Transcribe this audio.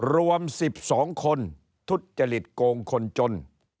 รวม๑๒คนทุจจริตโกงคนจน